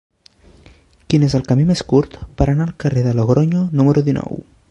Quin és el camí més curt per anar al carrer de Logronyo número dinou?